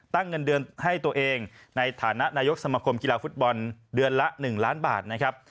เงินเดือนให้ตัวเองในฐานะนายกสมคมกีฬาฟุตบอลเดือนละ๑ล้านบาทนะครับ